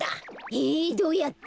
えどうやって？